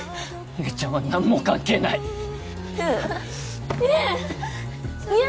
姉ちゃんは何も関係ない優優！